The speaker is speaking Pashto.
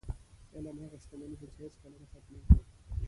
علم هغه شتمني ده، چې هېڅکله نه ختمېږي.